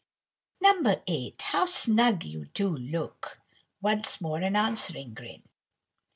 "No. 8, how snug you do look!" Once more an answering grin.